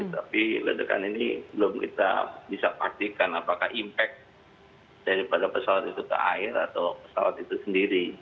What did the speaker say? tapi ledakan ini belum kita bisa pastikan apakah impact daripada pesawat itu ke air atau pesawat itu sendiri